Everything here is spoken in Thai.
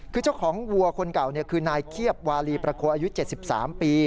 คือเจ้าของวัวคนเก่าคือนายเคียบวาลีประโคนอายุ๗๓ปี